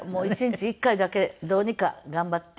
１日１回だけどうにか頑張って。